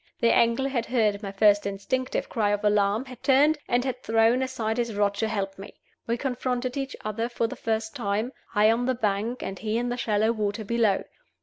The angler had heard my first instinctive cry of alarm, had turned, and had thrown aside his rod to help me. We confronted each other for the first time, I on the bank and he in the shallow water below.